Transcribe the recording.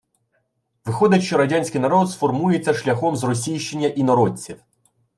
– Виходить, що радянський народ сформується шляхом зросійщення інородців